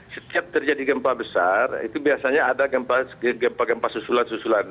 setiap terjadi gempa besar itu biasanya ada gempa gempa susulan susulan